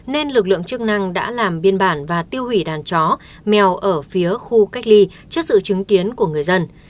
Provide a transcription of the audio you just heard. nên lực lượng chức năng đã làm biên bản và tiêu hủy đàn chó mèo ở phía khu cách ly trước sự chứng kiến của người dân